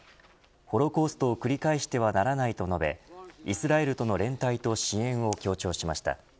ホロコーストを繰り返してはならないと述べイスラエルとの連帯と支援を強調しました。